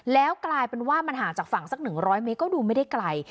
แล้วกลายเป็นว่ามันห่างจากฝั่งสัก๑๐๐เมตรก็ดูไม่ได้ไกล